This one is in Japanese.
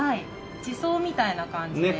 地層みたいな感じではい。